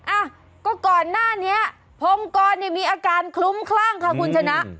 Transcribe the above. อ่ะก็ก่อนหน้านี้พงกรเนี่ยมีอาการคลุ้มคลั่งค่ะคุณชนะ